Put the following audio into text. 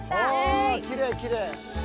ああきれいきれい。